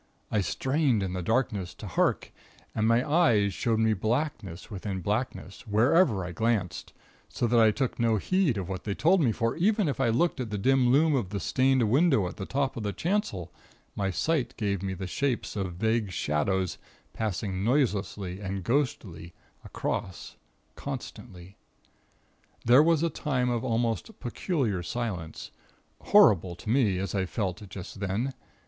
I strained in the darkness, to hark; and my eyes showed me blackness within blackness, wherever I glanced, so that I took no heed of what they told me; for even if I looked at the dim loom of the stained window at the top of the chancel, my sight gave me the shapes of vague shadows passing noiseless and ghostly across, constantly. There was a time of almost peculiar silence, horrible to me, as I felt just then.